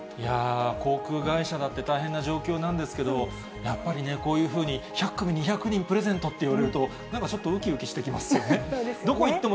航空会社だって大変な状況なんですけど、やっぱりね、こういうふうに１００組２００人プレゼントって言われると、なんかちょっとうきうきしてきますよね。